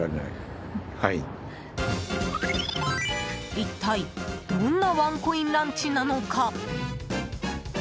一体どんなワンコインランチなのか？